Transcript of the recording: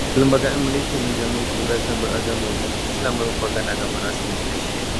Perlembagaan Malaysia menjamin kebebasan beragama, dan Islam merupakan agama rasmi Malaysia.